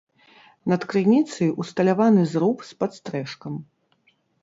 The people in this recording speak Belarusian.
Над крыніцай усталяваны зруб з падстрэшкам.